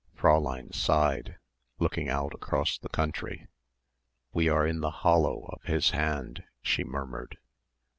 Fräulein sighed, looking out across the country. "We are in the hollow of His hand," she murmured.